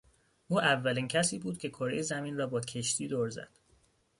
او اولین کسی بود که کرهی زمین را با کشتی دور زد.